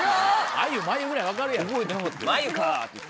あゆまゆぐらい分かるやろ。